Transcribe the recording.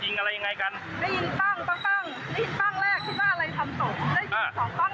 ได้ยินปั้งได้ยินปั้งแรกที่ว่าอะไรทำตก